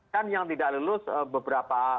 kan yang tidak lulus beberapa